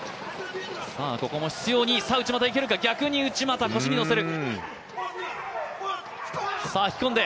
ここも執ように、内股いけるか、逆に内股、腰に乗せる。